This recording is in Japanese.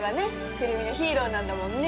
胡桃のヒーローなんだもんね